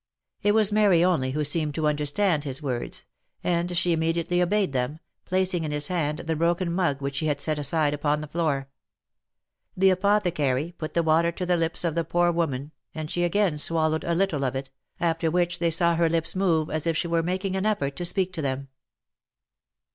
It was Mary only who seemed to understand his words, and she immediately obeyed them, placing in his hand the broken mug which she had set aside upon the floor. The apothecary put the water to the lips of the poor woman, and she again swallowed a little of it, after which they saw her lips move as if she was making an effort to speak to them.